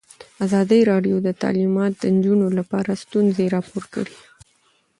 ازادي راډیو د تعلیمات د نجونو لپاره ستونزې راپور کړي.